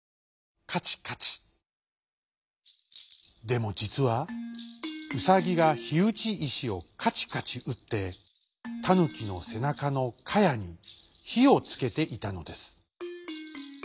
でもじつはウサギがひうちいしをカチカチうってタヌキのせなかのかやにひをつけていたのです。